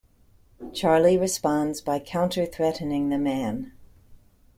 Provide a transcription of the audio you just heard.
Charlie responds by counter-threatening the man.